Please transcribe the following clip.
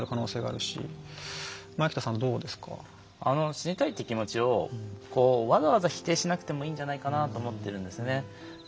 死にたいって気持ちをわざわざ否定しなくてもいいんじゃないかなと思ってるんですね。